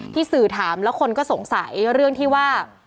สื่อถามแล้วคนก็สงสัยเรื่องที่ว่า